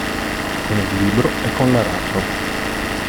Con il libro e con l'aratro.